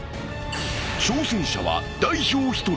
［挑戦者は代表１人］